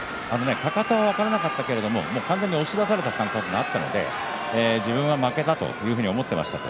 かかとは分からなかったけれども完全に押し出された感覚があったので自分は負けたと思っていました。